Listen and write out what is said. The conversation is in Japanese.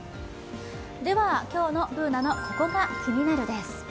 では今日のＢｏｏｎａの「ココがキニナル」です。